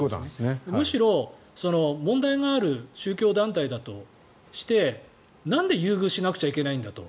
むしろ問題がある宗教団体としてなんで優遇しなくちゃいけないんだと。